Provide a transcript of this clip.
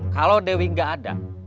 kalau dewi gak ada